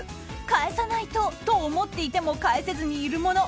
返さないとと思っていても返せずにいるもの